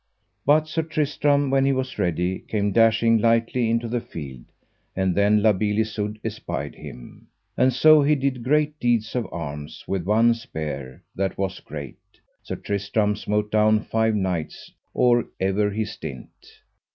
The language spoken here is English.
But Sir Tristram, when he was ready, came dashing lightly into the field, and then La Beale Isoud espied him. And so he did great deeds of arms; with one spear, that was great, Sir Tristram smote down five knights or ever he stint.